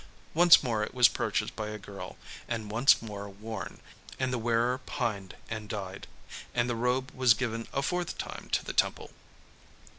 Once more it was purchased by a girl and once more worn; and the wearer pined and died. And the robe was given a fourth time to the temple.